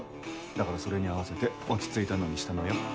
だからそれに合わせて落ち着いたのにしたのよ。